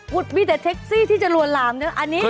เฮ้ยอ่ามีแต่แท็กซี่ที่จะลวนลามนะอันนี้